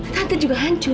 tante juga hancur ya